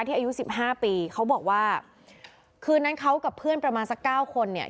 อายุสิบห้าปีเขาบอกว่าคืนนั้นเขากับเพื่อนประมาณสักเก้าคนเนี่ย